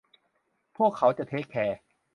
พวกเขาจะเทกแคร์